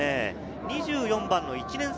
２４番の１年生